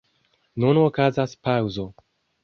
Nun okazas paŭzo.